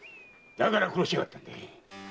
だから殺しやがったんでい。